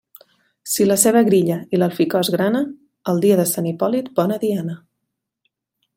Si la ceba grilla i l'alficòs grana, el dia de Sant Hipòlit, bona diana.